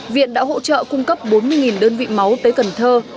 viện đã hỗ trợ cung cấp bốn mươi đơn vị máu tới cần thơ